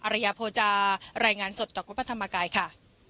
ระยะโภจารายงานสดจากวัดพระธรรมกายค่ะ